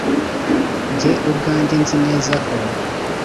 Jye ubwanjye nzi neza ko